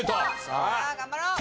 さあ頑張ろう！